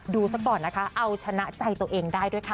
สักก่อนนะคะเอาชนะใจตัวเองได้ด้วยค่ะ